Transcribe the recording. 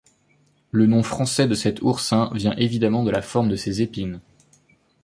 Le nom français de cet oursin vient évidemment de la forme de ses épines.